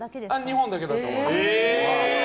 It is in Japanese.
日本だけだと思います。